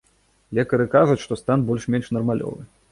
Лекары кажуць, што стан больш-менш нармалёвы.